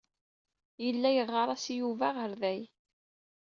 Yella yeɣɣar-as i Yuba aɣerday.